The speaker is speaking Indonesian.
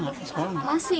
masih masih sekolah